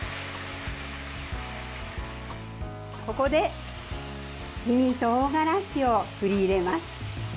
ここで七味とうがらしを振り入れます。